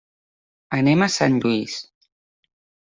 Anem a Sant Lluís.